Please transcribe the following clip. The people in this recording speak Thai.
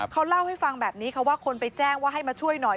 เขาเล่าให้ฟังแบบนี้ค่ะว่าคนไปแจ้งว่าให้มาช่วยหน่อย